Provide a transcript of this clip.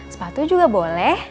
sepatu juga boleh